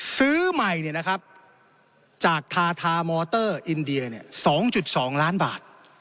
ซื้อใหม่เนี่ยนะครับจากทาทามอเตอร์อินเดีย๒๒ล้านบาท